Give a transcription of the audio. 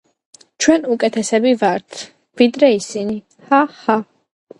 ჩვენ უკეთესები ვართ ვიდრე ისინი ჰაჰა